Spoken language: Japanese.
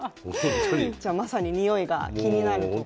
じゃ、まさににおいが気になるところ。